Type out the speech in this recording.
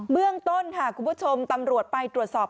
เรื่องต้นค่ะคุณผู้ชมตำรวจไปตรวจสอบ